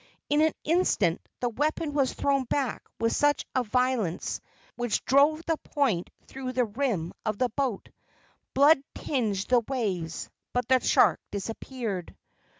In an instant the weapon was thrown back with a violence which drove the point through the rim of the boat. Blood tinged the waves, but the shark disappeared.